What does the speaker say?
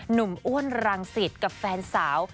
หนุ่มอ้วนรังสิตกับแฟนสาว